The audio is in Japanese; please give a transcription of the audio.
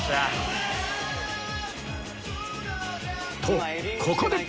とここで！